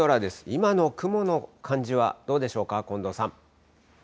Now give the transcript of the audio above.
今の雲の感じはどうでしょうか、近藤さん。